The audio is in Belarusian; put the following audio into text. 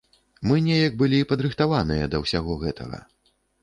Мы неяк былі падрыхтаваныя да ўсяго гэтага.